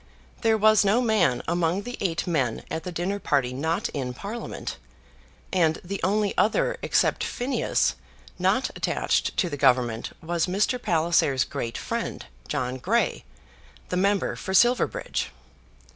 There was no man among the eight men at the dinner party not in Parliament, and the only other except Phineas not attached to the Government was Mr. Palliser's great friend, John Grey, the member for Silverbridge.